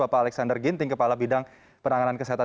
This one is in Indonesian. bapak alexander ginting kepala bidang penanganan kesehatan